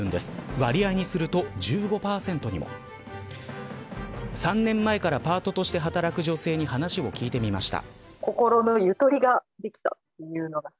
割合にすると１５％にも。３年前からパートとして働く女性に話を聞いてみました。